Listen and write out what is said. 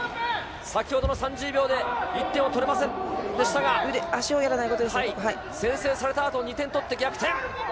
３０秒で１点を取れませんでしたが、先制された後、２点を取って逆転。